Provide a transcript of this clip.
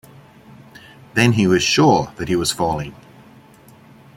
Then he was sure that he was falling.